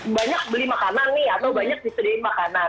banyak beli makanan nih atau banyak disediakan makanan